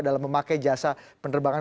dalam memakai jasa penerbangan